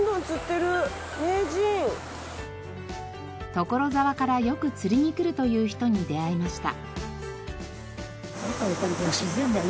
所沢からよく釣りに来るという人に出会いました。